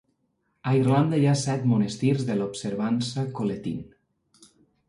A Irlanda hi ha set monestirs de la observança Colettine.